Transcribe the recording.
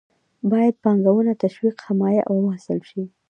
باید پانګونه تشویق، حمایه او وهڅول شي.